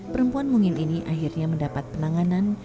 perempuan mungil ini akhirnya mendapat penanganan